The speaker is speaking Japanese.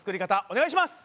お願いします！